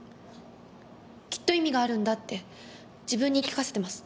きっと意味があるんだって自分に言い聞かせてます。